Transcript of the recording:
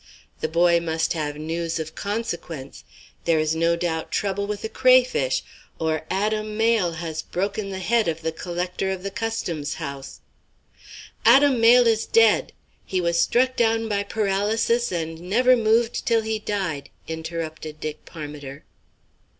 The boy must have news of consequence. There is no doubt trouble with the cray fish, or Adam Mayle has broken the head of the collector of the Customs House " "Adam Mayle is dead. He was struck down by paralysis and never moved till he died," interrupted Dick Parmiter.